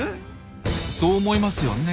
そう思いますよね。